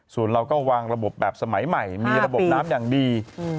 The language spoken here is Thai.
ส่วนเราก็วางระบบแบบสมัยใหม่มีระบบน้ำอย่างดี